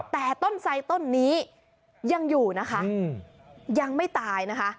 แต่ต้นไสต้นนี้ยังอยู่นะคะยังไม่ตายนะคะ